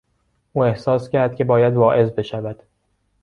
او احساس کرد که باید واعظ بشود.